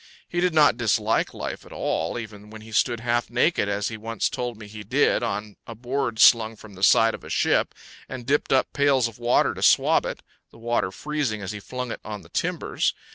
He did not dislike life at all, even when he stood half naked, as he once told me he did, on a board slung from the side of a ship, and dipped up pails of water to swab it, the water freezing as he flung it on the timbers.